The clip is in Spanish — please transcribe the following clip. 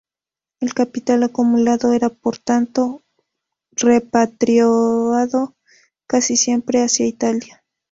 El capital acumulado era por tanto repatriado casi siempre hacia Italia.